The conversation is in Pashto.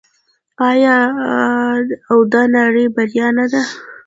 آیا او د نړۍ بریا نه ده؟